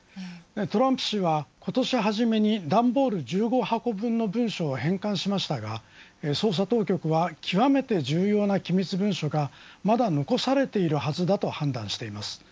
トランプ氏は今年初めにダンボール１５箱分の文書を返還しましたが捜査当局は極めて重要な機密文書がまだ残されているはずだと判断しています。